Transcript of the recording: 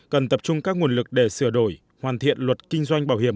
cần tập trung các nguồn lực để sửa đổi hoàn thiện luật kinh doanh bảo hiểm